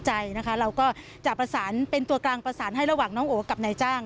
เราก็จะประสานเป็นตัวกลางประสานให้ระหว่างน้องโอกับนายจ้าง